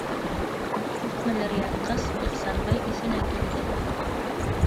Күпмелер ятҡас, Ихсанбай иҫенә килде.